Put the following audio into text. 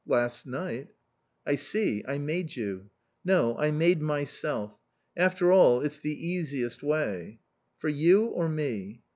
"Last night." "I see. I made you." "No. I made myself. After all, it's the easiest way." "For you, or me?"